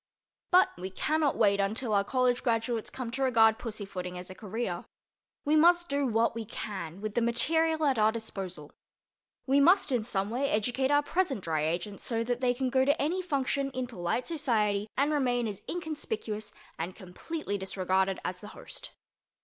But we cannot wait until our college graduates come to regard pussyfooting as a career. We must do what we can with the material at our disposal. We must in some way educate our present Dry Agents so that they can go to any function in polite society and remain as inconspicuous and as completely disregarded as the host.